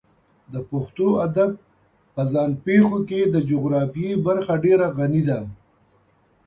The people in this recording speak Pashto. د پښتو ادب په ځان پېښو کې د جغرافیې برخه ډېره غني ده.